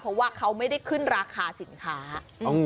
เพราะว่าเขาไม่ได้ขึ้นราคาสินค้า